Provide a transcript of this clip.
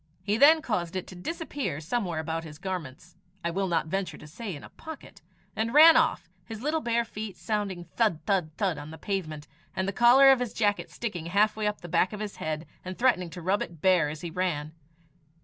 He then caused it to disappear somewhere about his garments I will not venture to say in a pocket and ran off, his little bare feet sounding thud, thud, thud on the pavement, and the collar of his jacket sticking halfway up the back of his head, and threatening to rub it bare as he ran.